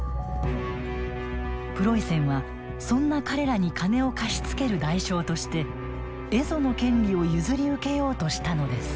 プロイセンはそんな彼らに金を貸し付ける代償として蝦夷の権利を譲り受けようとしたのです。